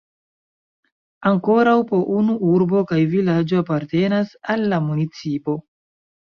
Ankoraŭ po unu urbo kaj vilaĝo apartenas al la municipo.